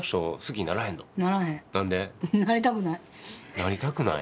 なりたくない。